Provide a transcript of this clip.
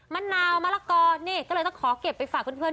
มะนาวมะละกอนี่ก็เลยต้องขอเก็บไปฝากเพื่อน